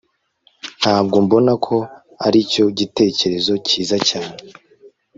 ntabwo mbona ko aricyo gitekerezo cyiza cyane